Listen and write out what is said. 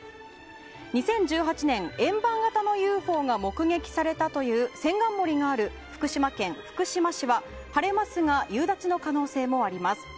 ２０１８年、円盤型のＵＦＯが目撃されたという千貫森がある福島県福島市は晴れますが夕立の可能性もあります。